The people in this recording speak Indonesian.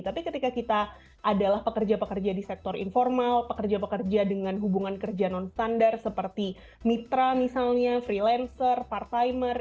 tapi ketika kita adalah pekerja pekerja di sektor informal pekerja pekerja dengan hubungan kerja non standar seperti mitra misalnya freelancer part timer